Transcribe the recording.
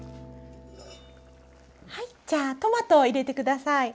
はいじゃあトマトを入れて下さい。